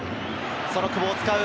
その久保を使う。